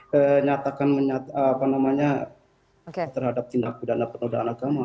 ternyata menyatakan apa namanya terhadap tindak budaya dan penodaan agama